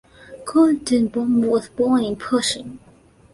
Goldenbaum was born in Parchim.